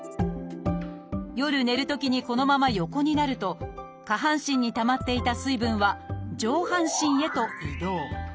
夜寝るときにこのまま横になると下半身にたまっていた水分は上半身へと移動。